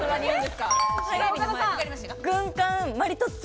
軍艦マリトッツォ。